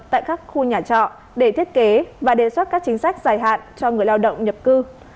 tại các khu nhà trọ để thiết kế và đề xuất các chính sách dài hạn cho người lao động nhập cư